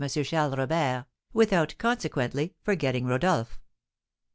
Charles Robert, without, consequently, forgetting Rodolph.